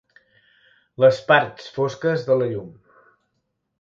Les parts fosques de la llum.